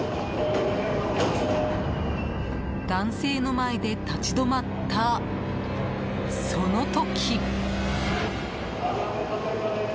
男性の前で立ち止まったその時。